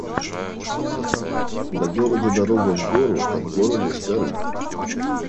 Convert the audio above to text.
До города дорога в гору, от города — с горы.